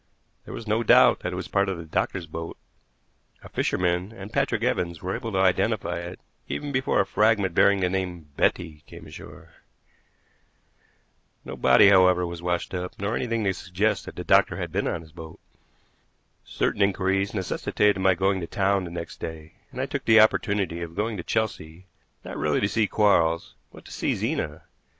There was no doubt that it was part of the doctor's boat. A fisherman and Patrick Evans were able to identify it even before a fragment bearing the name Betty came ashore. No body, however, was washed up, nor anything to suggest that the doctor had been on his boat. Certain inquiries necessitated my going to town next day, and I took the opportunity of going to Chelsea, not really to see Quarles, but to see Zena.